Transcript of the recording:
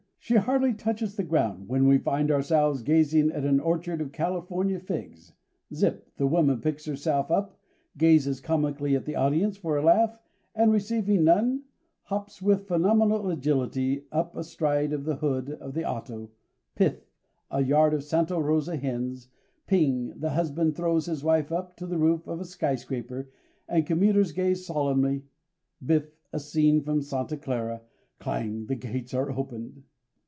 She hardly touches the ground when we find ourselves gazing at an orchard of California figs, zip, the woman picks herself up, gazes comically at the audience for a laugh and receiving none, hops with phenomenal agility up astride of the hood of the auto, piff, a yard of Santa Rosa hens, ping, the husband throws his wife up to the roof of a skyscraper, the commuters gaze solemnly, biff, a scene from Santa Clara, clang, the gates are opened.